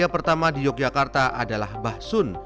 bakpia pertama di yogyakarta adalah basun